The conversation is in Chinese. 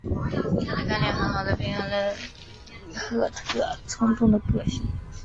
她的干练很好地平衡了里赫特冲动的个性。